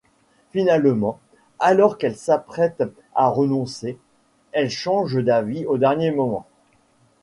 Finalement, alors qu'elle s'apprête à renoncer, elle change d'avis au dernier moment.